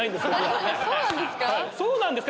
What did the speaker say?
そうなんですか